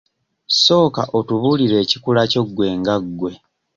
Sooka otubuulira ekikula kyo gwe nga gwe.